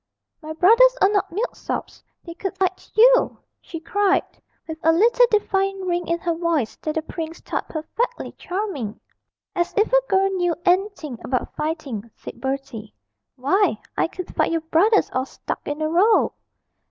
'My brothers are not milksops they could fight you!' she cried, with a little defiant ring in her voice that the prince thought perfectly charming. 'As if a girl knew anything about fighting,' said Bertie; 'why, I could fight your brothers all stuck in a row!'